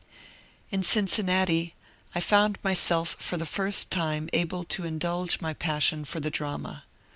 In Cincinnati I found myself for the first time able to ih' dulge my passion for the drama.